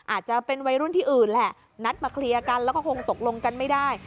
อาจจะเป็นวัยรุ่นที่อื่นแหละนัดมาเคลียร์กันแล้วก็คงตกลงกันไม่ได้